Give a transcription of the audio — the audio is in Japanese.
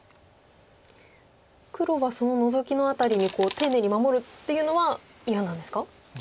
黒はそのノゾキの辺りに丁寧に守るっていうのは嫌なんですか？